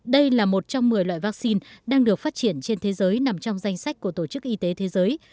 đây là một trong một mươi loại vaccine đang được phát triển trên thế giới nằm trong danh sách của tổ chức y tế thế giới